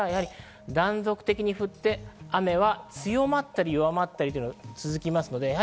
断続的に振って、雨は強まったり弱まったりが続きます。